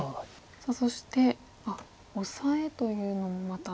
さあそしてオサエというのもまた。